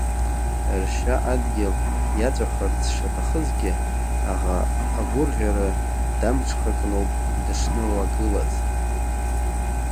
Ршьа адгьыл иаҵәахырц шаҭахызгьы, аӷа агәырӷьара дамҽхакноуп дышнылагылаз.